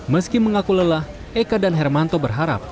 meski mengaku lelah eka dan hermanto berharap